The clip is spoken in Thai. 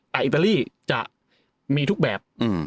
แต่อิตาลีจะมีทุกแบบ